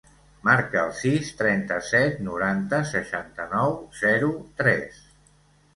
Marca el sis, trenta-set, noranta, seixanta-nou, zero, tres.